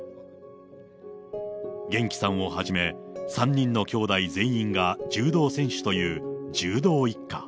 げんきさんをはじめ、３人のきょうだい全員が柔道選手という柔道一家。